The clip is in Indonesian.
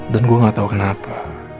dan gue gak tau kenapa